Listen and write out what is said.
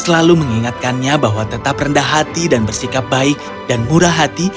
selalu mengingatkannya bahwa tetap rendah hati dan bersikap baik dan murah hati